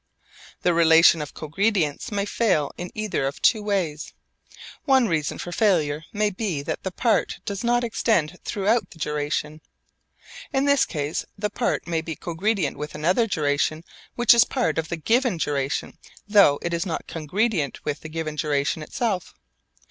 The relation of cogredience may fail in either of two ways. One reason for failure may be that the part does not extend throughout the duration. In this case the part may be cogredient with another duration which is part of the given duration, though it is not cogredient with the given duration itself.